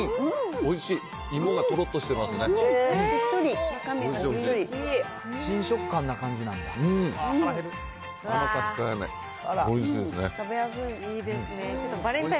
おいしい、芋がとろっとしてしっとり。